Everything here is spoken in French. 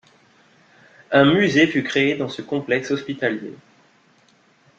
Un musée fut créé dans ce complexe hospitalier.